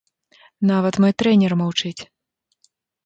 Нават мой трэнер маўчыць.